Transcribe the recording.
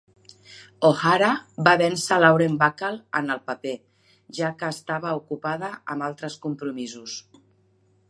O'Hara va vèncer Lauren Bacall en el paper, ja que estava ocupada amb altres compromisos.